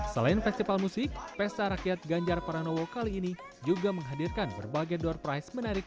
selain festival musik pesta rakyat ganjar pernowo kali ini juga menghadirkan berbagai doorprice menarik